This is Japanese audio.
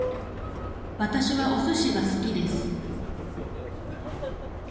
私はお寿司が好きです